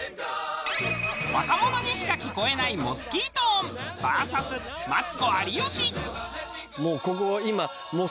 若者にしか聞こえないモスキート音ＶＳマツコ有吉。